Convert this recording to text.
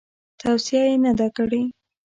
توصیه یې نه ده کړې.